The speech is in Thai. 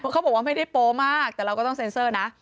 เขาบอกว่าไม่ได้โป๊มากแต่เราก็ต้องเซ็นเซอร์นะ